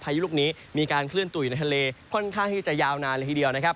ยุลูกนี้มีการเคลื่อนตัวอยู่ในทะเลค่อนข้างที่จะยาวนานเลยทีเดียวนะครับ